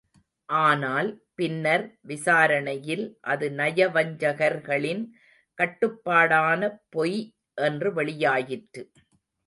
ஆனால், பின்னர் விசாரணையில் அது நயவஞ்சகர்களின் கட்டுப்பாடான பொய் என்று வெளியாயிற்று.